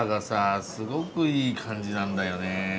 すごくいい感じなんだよね。